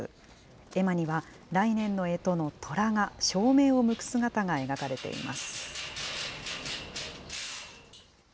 絵馬には、来年のえとのとらが、正面を向く姿が描かれています。